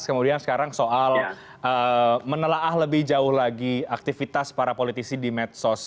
kemudian sekarang soal menelah lebih jauh lagi aktivitas para politisi di medsos